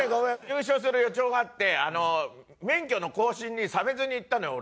優勝する予兆があってあの免許の更新に鮫洲に行ったのよ